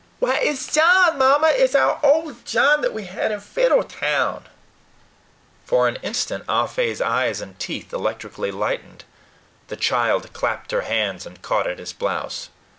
"Why, it's John, Mamma! It's our old John what we had in Fiddletown." For an instant Ah Fe's eyes and teeth electrically lightened. The child clapped her hands, and caught at his blouse.